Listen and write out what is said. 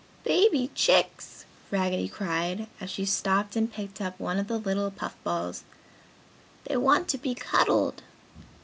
"Baby Chicks!" Raggedy cried, as she stooped and picked up one of the little puff balls. "They want to be cuddled!"